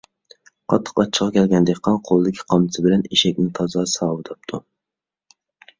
قاتتىق ئاچچىقى كەلگەن دېھقان قولىدىكى قامچىسى بىلەن ئېشەكنى تازا ساۋىداپتۇ.